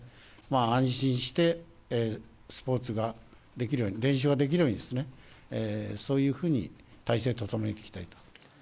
安心してスポーツができるように、練習ができるように、そういうふうに体制整えていきたいと。